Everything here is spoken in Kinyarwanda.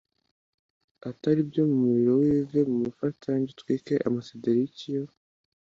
atari byo umuriro j uve mu mufatangwe utwike amasederik yo